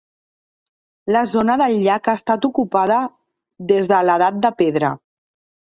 La zona del llac ha estat ocupada des de l'Edat de Pedra.